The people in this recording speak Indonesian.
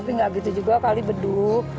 tapi gak gitu juga kali beduh